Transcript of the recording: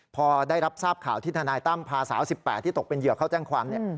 พอได้รับทราบข่าวที่ทนายตั้มพาสาวสิบแปดที่ตกเป็นเหยื่อเขาแจ้งความเนี้ยอืม